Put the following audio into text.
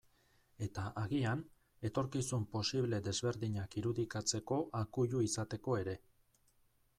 Eta, agian, etorkizun posible desberdinak irudikatzeko akuilu izateko ere.